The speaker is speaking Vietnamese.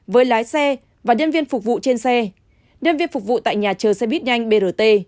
với lái xe và nhân viên phục vụ trên xe nhân viên phục vụ tại nhà chờ xe buýt nhanh brt